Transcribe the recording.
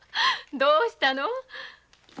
どうしたの？